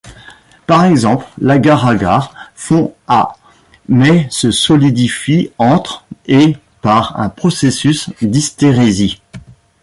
Par exemple, l’agar-agar fond à mais se solidifie entre et par un processus d’hystérésis.